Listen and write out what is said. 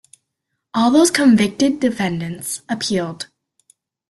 All those convicted defendants appealed.